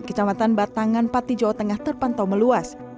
kecamatan batangan pati jawa tengah terpantau meluas